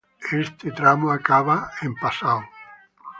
Este tramo acaba en Passau.